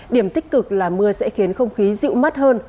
điểm tích cực là mưa sẽ khiến không khí dịu mát hơn